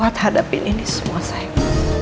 harus menghadapin ini semua sayang